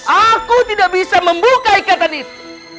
aku tidak bisa membuka ikatan itu